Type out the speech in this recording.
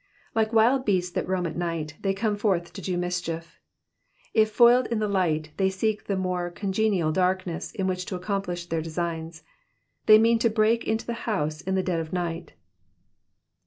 "^"^ Like wild beasts that roam at night, they come forth to do mischief. If foiled in the light, they seek the more congenial dark ness in which to accomplish their designs. They mean to break into the house in the dead of night.